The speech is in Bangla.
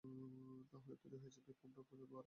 তাহলেই তৈরি হয়ে যাবে কুমড়া ফুলের বড়া।